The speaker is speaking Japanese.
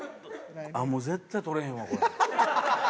もう絶対取れへんわこれ。